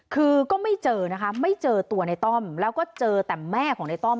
คือก็ไม่เจอนะคะไม่เจอตัวในต้อมแล้วก็เจอแต่แม่ของในต้อม